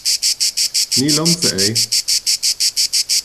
ní liomsa é